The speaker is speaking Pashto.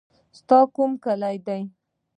ستا کوم کلی دی.